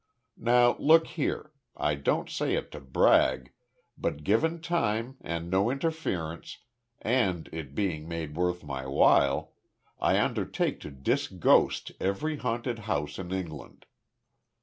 Now look here I don't say it to brag but given time, and no interference, and it being made worth my while, I undertake to dis ghost every haunted house in England."